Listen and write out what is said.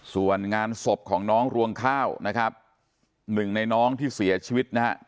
ส่วนงานศพของน้องรวงข้าวนะครับหนึ่งในน้องที่เสียชีวิตนะฮะ